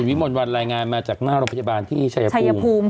วิมวลวันรายงานมาจากหน้าโรงพยาบาลที่ชายภูมิ